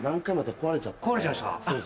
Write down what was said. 壊れちゃいました？